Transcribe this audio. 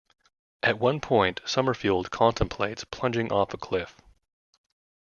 At one point Summerfield contemplates plunging off a cliff.